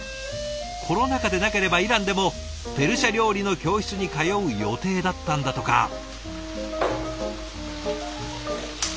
コロナ禍でなければイランでもペルシャ料理の教室に通う予定だったんだとか。